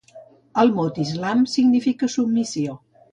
El mot islam significa submissió